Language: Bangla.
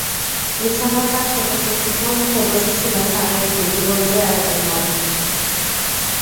বিছানার পাশে বসে শুকনো মুখে বসেছিলেন তাঁর স্ত্রী গোলজে আরা বেগম।